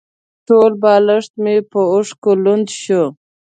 ټول بالښت مې په اوښکو لوند شو.